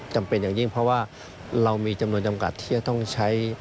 จำเป็นอย่างยิ่งเพราะว่าเรามีจำนวนจำกัดที่จะต้องใช้